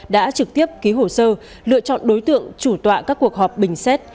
đã trực tiếp ký hồ sơ lựa chọn đối tượng chủ tọa các cuộc họp bình xét